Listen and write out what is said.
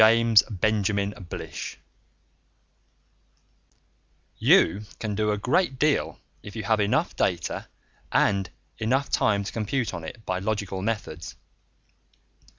net ONE SHOT _You can do a great deal if you have enough data, and enough time to compute on it, by logical methods.